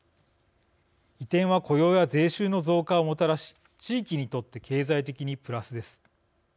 移転は雇用や税収の増加をもたらし地域にとって経済的にプラスです。